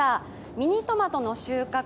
ミニトマトの収穫